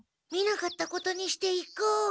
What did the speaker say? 見なかったことにして行こう。